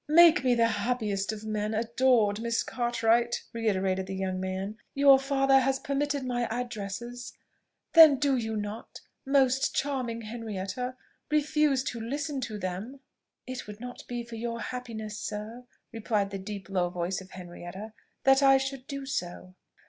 "Make me the happiest of men, adored Miss Cartwright!" reiterated the young man. "Your father has permitted my addresses; then do not you, most charming Henrietta, refuse to listen to them!" "It would not be for your happiness, sir," replied the deep low voice of Henrietta, "that I should do so."